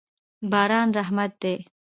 باران رحمت دی.